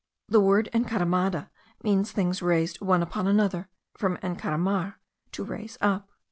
The word Encaramada means things raised one upon another, from encaramar, to raise up.